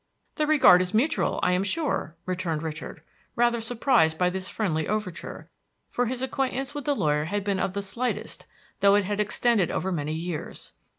"The regard is mutual, I am sure," returned Richard, rather surprised by this friendly overture, for his acquaintance with the lawyer had been of the slightest, though it had extended over many years.